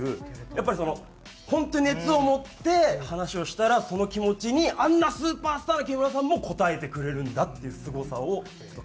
やっぱりその本当に熱を持って話をしたらその気持ちにあんなスーパースターの木村さんも応えてくれるんだっていうすごさを語りたかった。